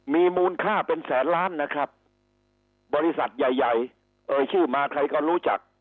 มีมูลค่าเป็นแสนล้านนะครับบริษัทใหญ่ใหญ่เอ่ยชื่อมาใครก็รู้จัก